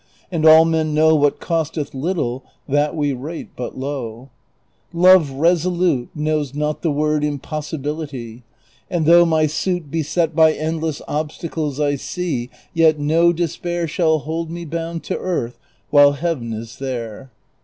And all men know What costeth little that we rate but low.^ Love resolute Knows not the word " impossibility ;" And though my suit Beset by endless obstacles I see, Yet no despair Shall hold me bound to earth while heaven is there.